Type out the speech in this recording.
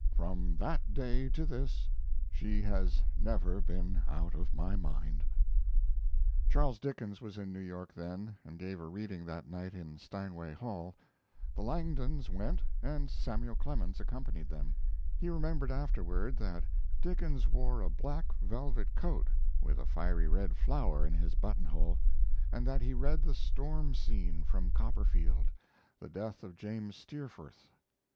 From that day to this she has never been out of my mind." Charles Dickens was in New York then, and gave a reading that night in Steinway Hall. The Langdons went, and Samuel Clemens accompanied them. He remembered afterward that Dickens wore a black velvet coat with a fiery red flower in his buttonhole, and that he read the storm scene from Copperfield the death of James Steerforth.